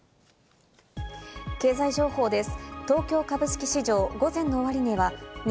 経済情報です。